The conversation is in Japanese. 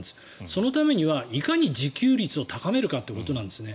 そのためにはいかに自給率を高めるかってことなんです。